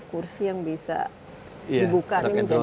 kursi yang bisa dibuka